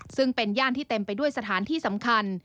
ซึ่งเป็นย่านที่เต็มไปด้วยสถานที่สำคัญ